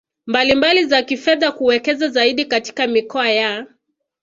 mbalimbali za kifedha kuwekeza zaidi katika mikoa ya